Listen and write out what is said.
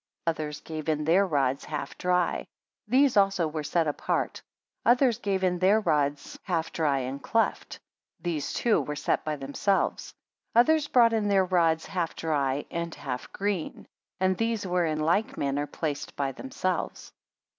7 Others gave in their rods half dry; these also were set apart, Others gave in their rods half dry and cleft; these too were set by themselves. Others brought in their rods half dry and half green, and these were in like manner placed by themselves.